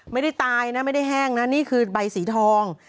ไม่ได้ตายนะไม่ได้แห้งนะนี่คือใบสีทอง